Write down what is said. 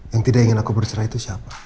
yang tidak ingin aku bercerai itu siapa